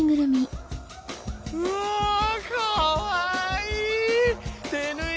うわかわいい！